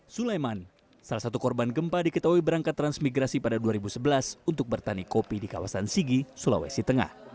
sulaiman salah satu korban gempa diketahui berangkat transmigrasi pada dua ribu sebelas untuk bertani kopi di kawasan sigi sulawesi tengah